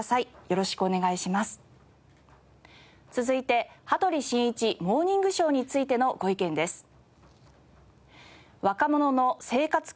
続いて『羽鳥慎一モーニングショー』についてのご意見です。